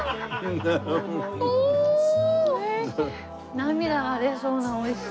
涙が出そうな美味しさ。